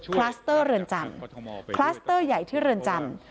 คลัสเตอร์เรือนจำคลัสเตอร์ใหญ่ที่เรือนจำ